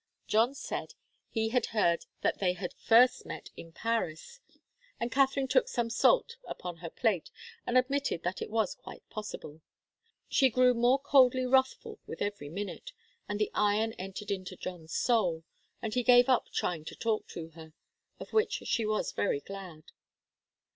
John said he had heard that they had first met in Paris, and Katharine took some salt upon her plate and admitted that it was quite possible. She grew more coldly wrathful with every minute, and the iron entered into John's soul, and he gave up trying to talk to her of which she was very glad.